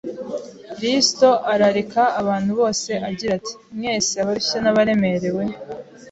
risto ararika abantu bose agira ati, “Mwese abarushye n’abaremerewe,